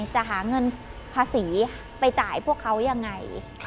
จะหาเงินภาษีไปจ่ายพวกเขายังไง